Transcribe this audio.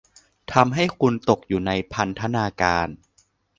ทำให้คุณตกอยู่ในพันธนาการ